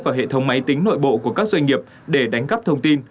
vào hệ thống máy tính nội bộ của các doanh nghiệp để đánh cắp thông tin